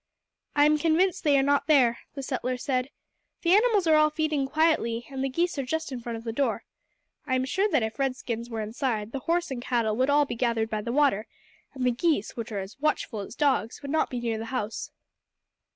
"I am convinced that they are not there," the settler said. "The animals are all feeding quietly, and the geese are just in front of the door. I am sure that if red skins were inside, the horse and cattle would all be gathered by the water, and the geese, which are as watchful as dogs, would not be near the house."